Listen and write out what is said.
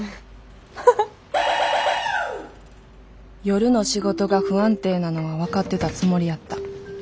夜の仕事が不安定なのは分かってたつもりやった。